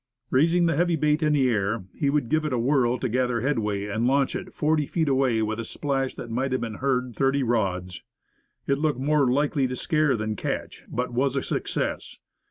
Raising the heavy bait in the air, he would give it a whirl to gather headway, and launch it forty feet away with a splash that might have been heard thirty rods. It looked more likely to scare than catch, but was a success.